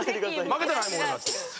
負けたないもん俺だって。